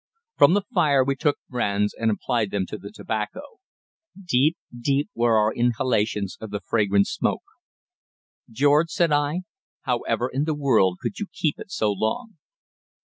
From the fire we took brands and applied them to the tobacco. Deep, deep were our inhalations of the fragrant smoke. "George," said I, "however in the world could you keep it so long?"